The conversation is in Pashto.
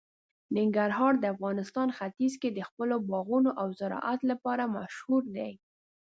ننګرهار د افغانستان ختیځ کې د خپلو باغونو او زراعت لپاره مشهور دی.